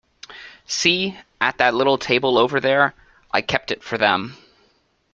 See, at that little table over there? I kept it for them.